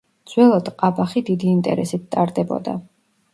ძველად ყაბახი დიდი ინტერესით ტარდებოდა.